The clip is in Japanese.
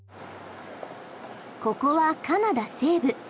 ここはカナダ西部。